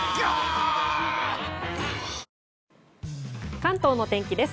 関東の天気です。